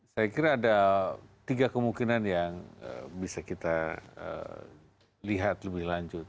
saya kira ada tiga kemungkinan yang bisa kita lihat lebih lanjut